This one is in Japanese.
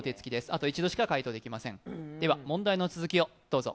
あと１度しか解答できません問題の続きをどうぞ。